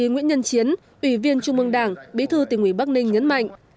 nguyễn nhân chiến ủy viên trung mương đảng bí thư tỉnh ủy bắc ninh nhấn mạnh